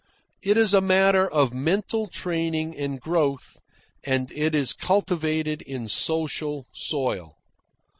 It is a matter of mental training and growth, and it is cultivated in social soil.